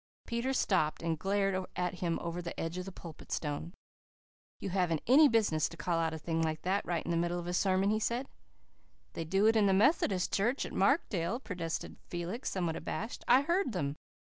Peter stopped and glared at him over the edge of the Pulpit Stone. "You haven't any business to call out a thing like that right in the middle of a sermon," he said. "They do it in the Methodist church at Markdale," protested Felix, somewhat abashed. "I heard them."